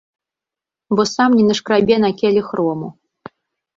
Бо сам не нашкрабе на келіх рому.